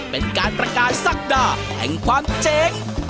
เป็นการประกาศศักดาแห่งความเจ๋ง